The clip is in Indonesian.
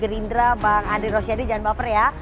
kemudian politisi gerindra bang andre rosyadi jangan baper ya